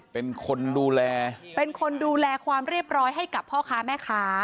เป็นคนดูแลเป็นคนดูแลความเรียบร้อยให้กับพ่อค้าแม่ค้า